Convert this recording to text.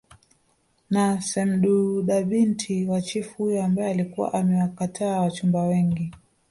na semdudabinti wa chifu huyo ambaye alikuwa amewakataa wachumba wengi